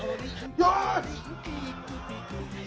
よし！